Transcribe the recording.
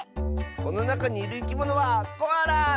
このなかにいるいきものはコアラ！